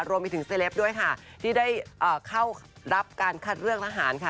รวมไปถึงเซลปด้วยค่ะที่ได้เข้ารับการคัดเลือกทหารค่ะ